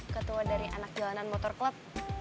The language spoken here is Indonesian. ketua dari anak jalanan motor club